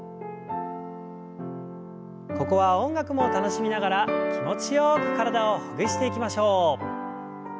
ここは音楽も楽しみながら気持ちよく体をほぐしていきましょう。